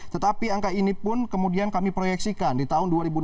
tetapi angka ini pun kemudian kami proyeksikan di tahun dua ribu enam belas